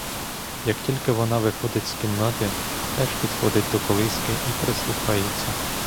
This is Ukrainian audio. Як тільки вона виходить з кімнати, теж підходить до колиски і прислухається.